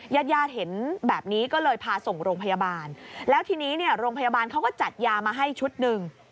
ญาติญาติเห็นแบบนี้ก็เลยพาส่งโรงพยาบาลแล้วทีนี้เนี่ยโรงพยาบาลเขาก็จัดยามาให้ชุดหนึ่ง